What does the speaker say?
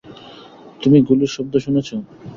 তুমি গুলির শব্দ শুনেছো?